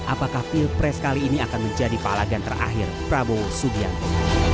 apakah pilpres kali ini akan menjadi palagan terakhir prabowo subianto